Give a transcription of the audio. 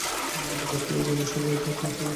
বাইরের লোকজনদের রাজ্যে ঢুকতে দিয়েছ।